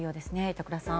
板倉さん。